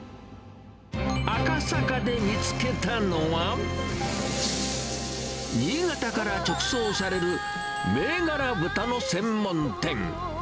赤坂で見つけたのは、新潟から直送される、銘柄豚の専門店。